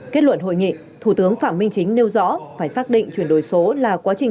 kết luận hội nghị thủ tướng phạm minh chính nêu rõ phải xác định chuyển đổi số là quá trình